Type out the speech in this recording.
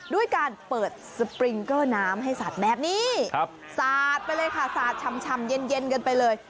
ด้วยการเปิดสปริงเกอร์น้ำให้สาดแบบนี้สาดไปเลยค่ะสาดชำเย็นกันไปเลย